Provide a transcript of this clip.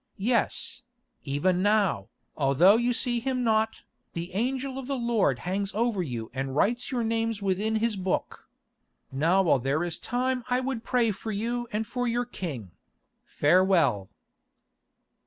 Yes, even now, although you see him not, the Angel of the Lord hangs over you and writes your names within his book. Now while there is time I would pray for you and for your king. Farewell."